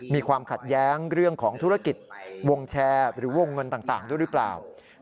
มีความขัดแย้งเรื่องของธุรกิจวงแชร์หรือวงเงินต่างด้วยหรือเปล่า